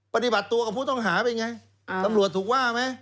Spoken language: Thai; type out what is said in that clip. ปฏิบัติตัวกับผู้ต้องหาเป็นไงตำรวจถูกว่าไหม